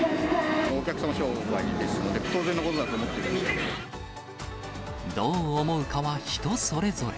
お客様商売ですので、どう思うかは人それぞれ。